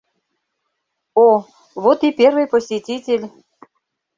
О, вот и первый посетитель!